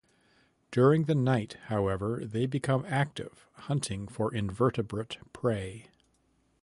During the night however, they become active, hunting for invertebrate prey.